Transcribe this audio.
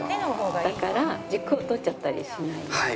だから軸を取っちゃったりしない。